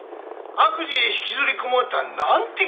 悪事へ引きずり込もうたぁなんて